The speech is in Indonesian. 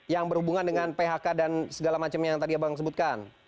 yang berhubungan dengan phk dan segala macam yang tadi abang sebutkan